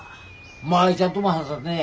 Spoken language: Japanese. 舞ちゃんとも話さんで。